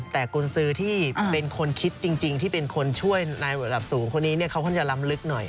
แต่กุญสือที่เป็นคนคิดจริงที่เป็นคนช่วยในระดับสูงคนนี้เขาเพิ่งจะล้ำลึกหน่อย